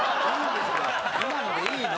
今のでいいの。